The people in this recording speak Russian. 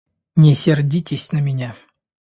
Не сердитесь на меня.